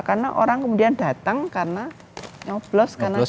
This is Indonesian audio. karena orang kemudian datang karena nyoblos karena duit